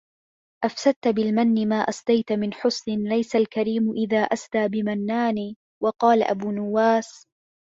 أَفْسَدْتَ بِالْمَنِّ مَا أَسْدَيْتَ مِنْ حُسْنٍ لَيْسَ الْكَرِيمُ إذَا أَسْدَى بِمَنَّانِ وَقَالَ أَبُو نُوَاسٍ